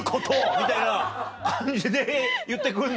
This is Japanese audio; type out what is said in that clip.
みたいな感じで言って来んの？